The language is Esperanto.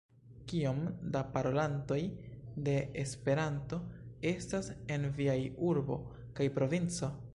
Kiom da parolantoj de Esperanto estas en viaj urbo kaj provinco?